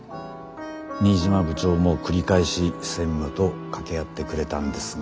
新島部長も繰り返し専務と掛け合ってくれたんですが。